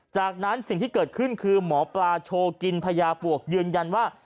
จากนั้นสิ่งที่เกิดขึ้นคือหมอปลาโชว์กินพญาปวกยืนยันว่า